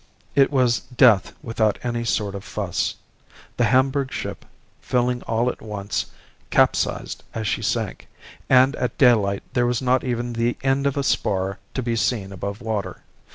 It was death without any sort of fuss. The Hamburg ship, filling all at once, capsized as she sank, and at daylight there was not even the end of a spar to be seen above water.